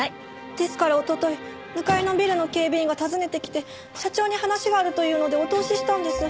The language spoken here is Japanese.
ですからおととい向かいのビルの警備員が訪ねてきて社長に話があるというのでお通ししたんです。